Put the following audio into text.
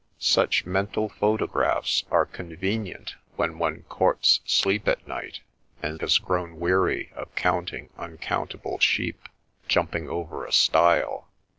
Such mental photographs are convenient when one courts sleep at night, and has grown weary of counting uncount able sheep jumping over a stile.